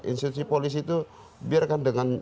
institusi polisi itu biarkan dengan